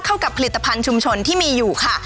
เข้ากับผลิตภัณฑ์ชุมชนที่มีอยู่ค่ะ